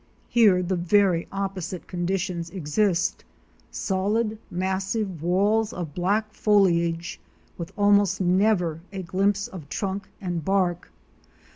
Here the very opposite conditions exist; solid massive walls of black foliage, with almost never a glimpse of trunk and bark.